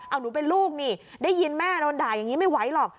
เอาหนูเป็นลูกนี่ได้ยินแม่โดนด่าอย่างนี้ไม่ไหวหรอก